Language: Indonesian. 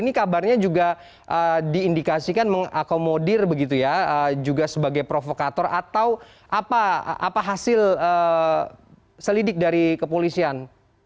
ini kabarnya juga diindikasikan mengakomodir begitu ya juga sebagai provokator atau apa hasil selidik dari kepolisian